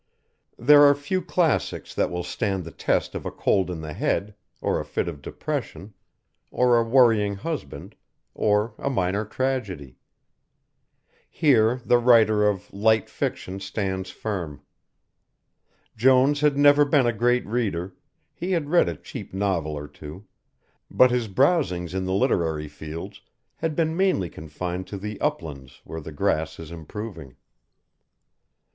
There are few classics that will stand the test of a cold in the head, or a fit of depression, or a worrying husband, or a minor tragedy. Here the writer of "light fiction" stands firm. Jones had never been a great reader, he had read a cheap novel or two, but his browsings in the literary fields had been mainly confined to the uplands where the grass is improving.